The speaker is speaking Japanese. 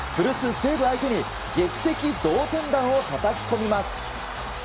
西武相手に劇的同点弾をたたき込みます。